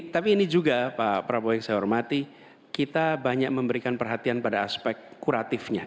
tapi ini juga pak prabowo yang saya hormati kita banyak memberikan perhatian pada aspek kuratifnya